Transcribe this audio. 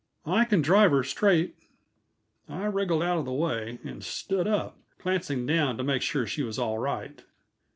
"I can drive her straight." I wriggled out of the way and stood up, glancing down to make sure she was all right.